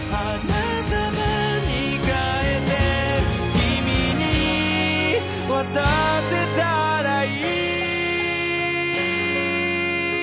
「君に渡せたらいい」